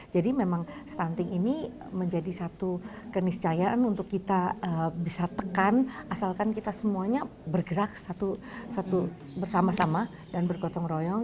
jadi memang stunting ini menjadi satu keniscayaan untuk kita bisa tekan asalkan kita semuanya bergerak satu satu bersama sama dan bergotong royong